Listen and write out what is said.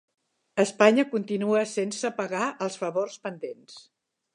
Espanya continua sense pagar els favors pendents